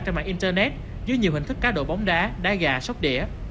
trên mạng internet dưới nhiều hình thức cá độ bóng đá đá gà sóc đĩa